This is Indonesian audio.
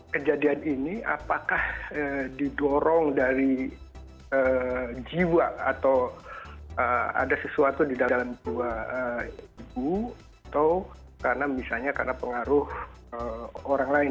kejadian ini apakah didorong dari jiwa atau ada sesuatu di dalam dua ibu atau karena misalnya karena pengaruh orang lain